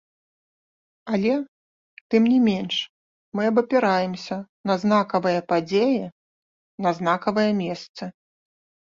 Але тым не менш мы абапіраемся на знакавыя падзеі, на знакавыя месцы.